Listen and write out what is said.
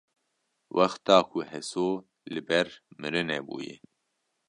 wexta ku Heso li ber mirinê bûye